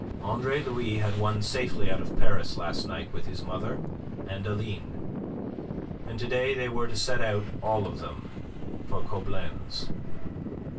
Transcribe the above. Andre Louis had won safely out of Paris last night with his mother and Aline, and to day they were to set out all of them for Coblenz.